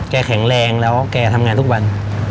แข็งแรงแล้วแกทำงานทุกวัน